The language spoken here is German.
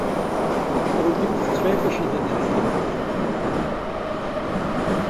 Warum gibt es zwei verschiedene Regelungen?